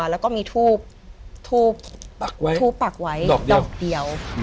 แล้วก็มีทูบทูปปักไว้ดอกเดียว